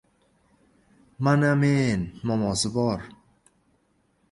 Mana men — momosi bor!